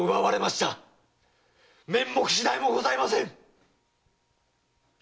面目次第もございません！